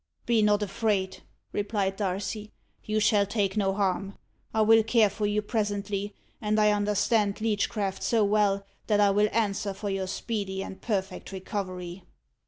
"Be not afraid," replied Darcy; "you shall take no harm. I will care for you presently; and I understand leechcraft so well, that I will answer for your speedy and perfect recovery."